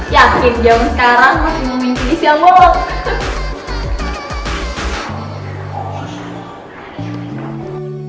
yakin yang sekarang masih mau minti di siang bolong